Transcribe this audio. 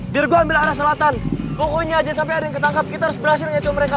biar gue ambil arah selatan pokoknya aja sampai ada yang ketangkap kita harus berhasil nyacok mereka